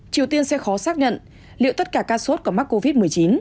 triều tiên sẽ khó xác nhận liệu tất cả ca sốt có mắc covid một mươi chín